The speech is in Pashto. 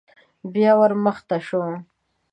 بيا ور مخته شو.